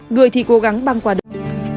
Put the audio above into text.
người thì cố gắng băng qua đường